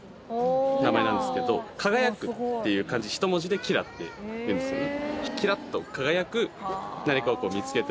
輝くっていう漢字１文字で輝っていうんですよね